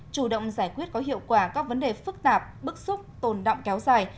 chủ động giải quyết có hiệu quả các vấn đề phức tạp bức xúc tồn động kéo dài